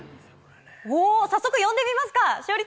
早速、呼んでみますか。